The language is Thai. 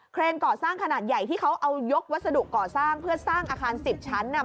ก่อสร้างขนาดใหญ่ที่เขาเอายกวัสดุก่อสร้างเพื่อสร้างอาคาร๑๐ชั้นน่ะ